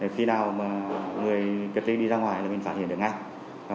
khi nào người cất ly đi ra ngoài là mình phản hiện được ngay